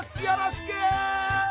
よろしく！